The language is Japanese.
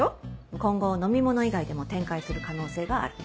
今後飲み物以外でも展開する可能性がある。